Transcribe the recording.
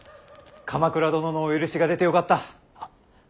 鎌倉殿のお許しが出てよかった。